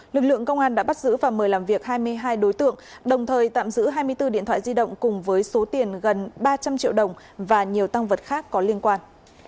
lực lượng công an đã bắt giữ và mời làm việc hai mươi hai đối tượng đồng thời tạm giữ hai mươi bốn điện thoại di động cùng với số tiền gần ba trăm linh triệu đồng và nhiều tăng vật khác có liên quan